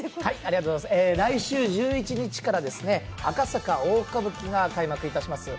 来週１１日から「赤坂大歌舞伎」が開幕いたします。